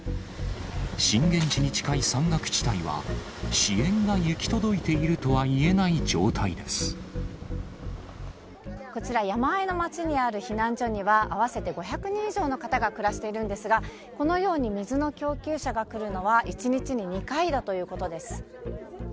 震源地に近い山岳地帯は、支援が行き届いているとは言えない状態こちら、山あいの町にある避難所には、合わせて５００人以上の方が暮らしているんですが、このように、水の供給車が来るのは１日に２回だということです。